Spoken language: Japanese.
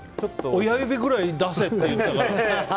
親指くらい出せって言ったから。